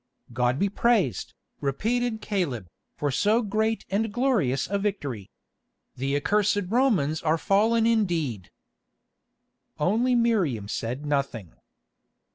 "God be praised," repeated Caleb, "for so great and glorious a victory! The accursed Romans are fallen indeed." Only Miriam said nothing.